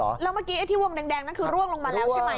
แล้วเมื่อกี้ไอ้ที่วงแดงนั่นคือร่วงลงมาแล้วใช่ไหม